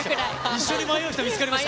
一緒に迷う人見つかりました。